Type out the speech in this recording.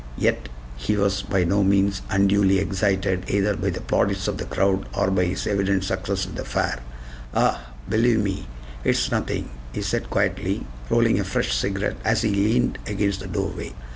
Yet he was by no means unduly excited either by the plaudits of the crowd or by his evident success with the fair. "Ah, believe me, it is nothing," he said quietly, rolling a fresh cigarette as he leaned against the doorway.